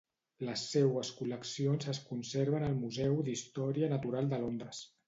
Les seues col·leccions es conserven al Museu d'Història Natural de Londres.